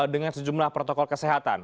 dengan sejumlah protokol kesehatan